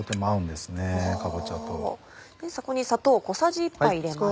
でそこに砂糖小さじ１杯入れます。